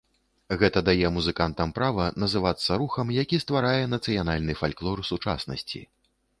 Гэта дае музыкантам права называцца рухам, які стварае нацыянальны фальклор сучаснасці.